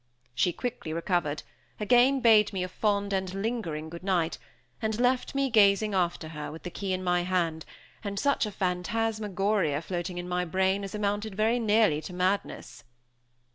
She quickly recovered, again bade me a fond and lingering good night, and left me, gazing after her, with the key in my hand, and such a phantasmagoria floating in my brain as amounted very nearly to madness.